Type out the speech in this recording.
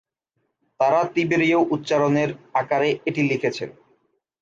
তারা তিবেরিয় উচ্চারণের আকারে এটি লিখেছেন।